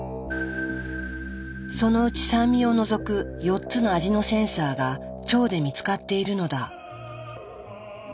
そのうち酸味を除く４つの味のセンサーが腸で見つかっているのだ。